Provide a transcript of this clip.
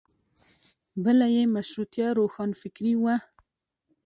بله یې مشروطیه روښانفکري وه.